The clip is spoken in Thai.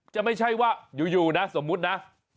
ไม่ใช่ว่าอยู่นะสมมุตินะ